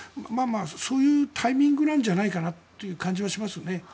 そういうタイミングなんじゃないかなっていう感じはしますね。